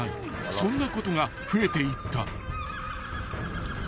［そんなことが増えていった］